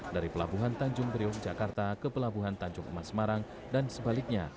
dari pelabuhan tanjung brio jakarta ke pelabuhan tanjung masmarang dan sebaliknya